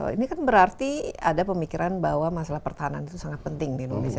ini kan berarti ada pemikiran bahwa masalah pertahanan itu sangat penting di indonesia